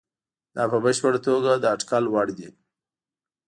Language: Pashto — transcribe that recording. دا په بشپړه توګه د اټکل وړ دي.